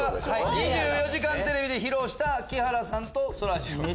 『２４時間テレビ』で披露した木原さんとそらジロー。